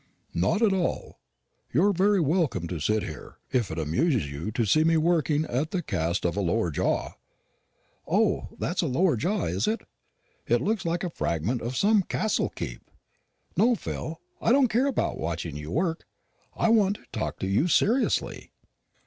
"Not at all. You are very welcome to sit here, if it amuses you to see me working at the cast of a lower jaw." "O, that's a lower jaw, is it? It looks like the fragment of some castle keep. No, Phil, I don't care about watching you work. I want to talk to you seriously."